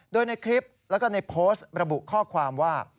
โดยในคลิปแล้วก็ในโพสต์ระบุข้อความว่า